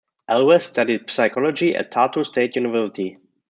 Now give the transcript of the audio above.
Ehlvest studied psychology at Tartu State University.